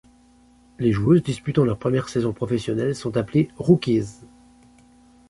Les joueuses disputant leur première saison professionnelle sont appelées rookies.